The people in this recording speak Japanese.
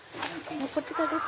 こちらです。